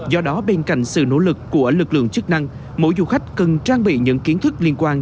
do đó bên cạnh sự nỗ lực của lực lượng chức năng mỗi du khách cần trang bị những kiến thức liên quan